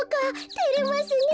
てれますねえ。